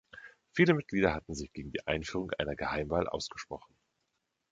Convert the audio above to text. Viele Mitglieder hatten sich gegen die Einführung einer Geheimwahl ausgesprochen.